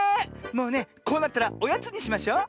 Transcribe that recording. もうねこうなったらおやつにしましょう。